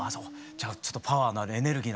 じゃあちょっとパワーのあるエネルギーのある曲。